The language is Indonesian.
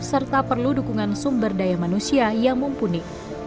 serta perlu dukungan sumber daya manusia yang mumpuni